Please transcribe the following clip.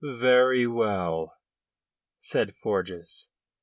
"Very well," said Forjas.